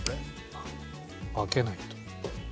分けないと。